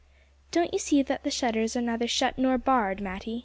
"Don't you see that the shutters are neither shut nor barred, Matty?"